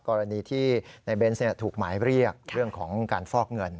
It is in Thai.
กรณีที่ในเบนส์ถูกหมายเรียกเรื่องของการฟอกเงิน